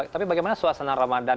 tapi bagaimana suasana ramadan